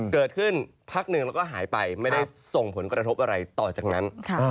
เกิดขึ้นพักหนึ่งแล้วก็หายไปไม่ได้ส่งผลกระทบอะไรต่อจากนั้น